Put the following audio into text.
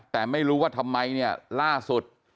แต่ไม่รู้ว่าทำไมเนี่ยล่าสุด